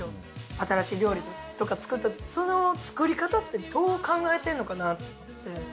新しい料理とか作るときその作り方ってどう考えてるのかなって。